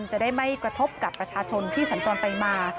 จะได้ไม่กระทบกับประชาชนที่สัญจรไปมา